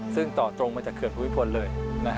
ซึ่งต่อตรงมาจากเขื่อนภูมิพลเลย